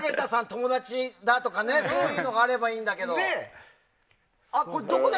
友達だとかそういうのがあればいいんだけど。